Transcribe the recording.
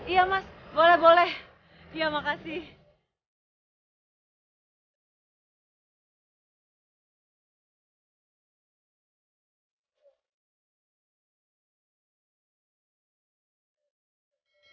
iya mas boleh boleh ya makasih